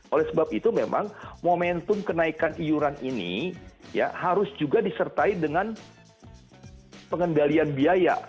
oleh sebab itu memang momentum kenaikan iuran ini harus juga disertai dengan pengendalian biaya